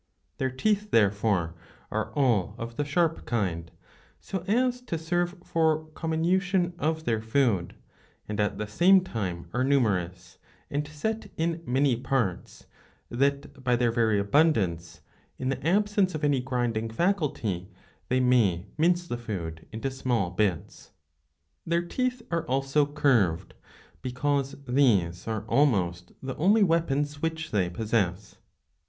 Their teeth therefore are all of the sharp kind, so as to serve for comminution of their food, and at the same time are numerous, and set in many parts, that by their very abundance, in the absence of any grinding faculty, they may mince the food into small bits.^ Their teeth are also curved, because these are almost the only weapons which they possess.